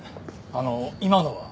あのう今のは？